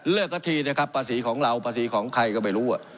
สักทีนะครับภาษีของเราภาษีของใครก็ไม่รู้